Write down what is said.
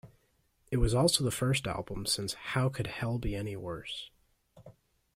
It was also the first album since How Could Hell Be Any Worse?